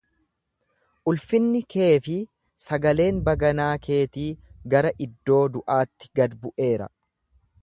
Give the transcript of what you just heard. Ulfinni kee fi sagaleen baganaa keetii gara iddoo du’aatti gad bu’eera.